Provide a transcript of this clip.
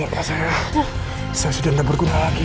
bapak saya sudah tidak berguna lagi